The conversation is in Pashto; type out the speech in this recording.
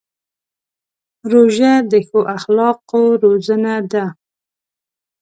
روژه د ښو اخلاقو روزنه ده.